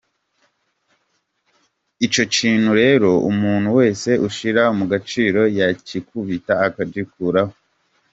Icyo kintu rero umuntu wese ushyira mugaciro yagikubita akagikuraho.